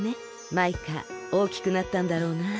マイカおおきくなったんだろうなあ。